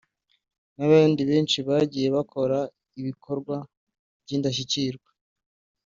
n’abandi benshi bagiye bakora ibikorwa by’indashyikirwa”